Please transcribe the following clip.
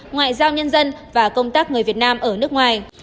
ngoại giao nhân dân và công tác người việt nam ở nước ngoài